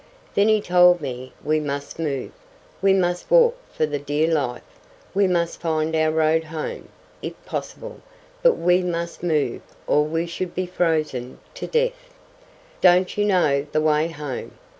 Then he told me we must move, we must walk for the dear life—we must find our road home, if possible; but we must move, or we should be frozen to death. "Don't you know the way home?"